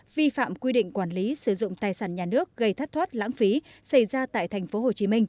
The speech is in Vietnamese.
vi phạm quy định quản lý sử dụng tài sản nhà nước gây thất thoát lãng phí xảy ra tại tp hcm